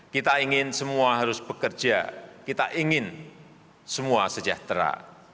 kita ingin semua harus bekerja kita ingin semua sejahtera